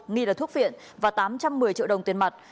nghi là thuốc viện và tám trăm một mươi triệu đồng tiền mặt